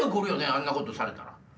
あんなことされたら。